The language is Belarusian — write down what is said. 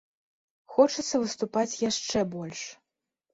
Хочацца выступаць яшчэ больш.